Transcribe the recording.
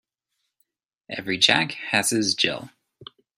Every Jack has his Jill.